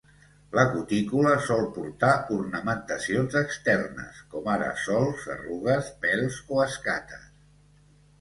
La cutícula sol portar ornamentacions externes, com ara solcs, arrugues, pèls o escates.